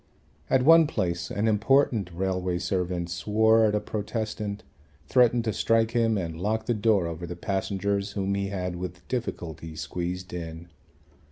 At one place an important railway servant swore at a protestant, threatened to strike him and locked the door over the passengers whom he had with difficulty squeezed in.